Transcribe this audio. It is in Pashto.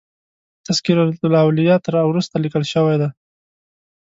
تذکرة الاولیاء تر را وروسته لیکل شوی دی.